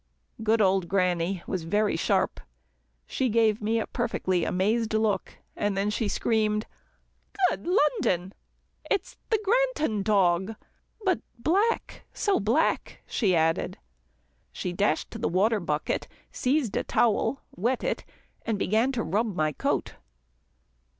Good old Granny was very sharp. She gave me a perfectly amazed look, then she screamed, "Good London it's the Granton dog but black, so black," she added. She dashed to the water bucket, seized a towel, wet it, and began to rub my coat.